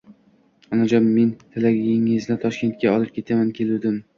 — Onajon, men Tilagiyizni Toshkentga olib ketgani keluvdim.